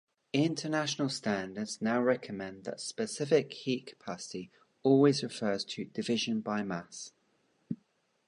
International standards now recommend that specific heat capacity always refer to division by mass.